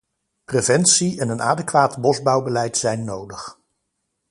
Preventie en een adequaat bosbouwbeleid zijn nodig.